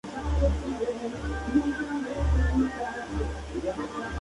La canción llevaba una semana sonando en todas las radios griegas.